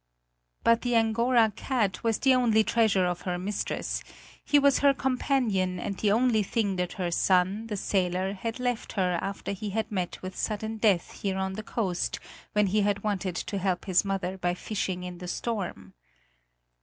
But the Angora cat was the only treasure of her mistress; he was her companion and the only thing that her son, the sailor, had left her after he had met with sudden death here on the coast when he had wanted to help his mother by fishing in the storm.